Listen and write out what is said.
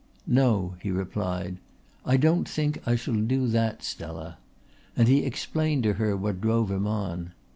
"No," he replied. "I don't think I shall do that, Stella," and he explained to her what drove him on.